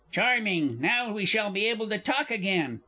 Charming! Now we shall be able to talk again!